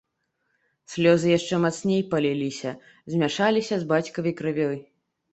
Слёзы яшчэ мацней паліліся, змяшаліся з бацькавай крывёй.